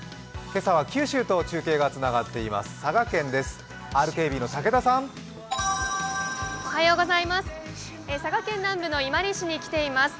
今朝は九州と中継がつながっています。